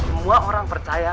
semua orang percaya